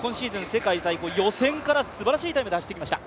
世界最高予選からすばらしいタイムで走ってきました。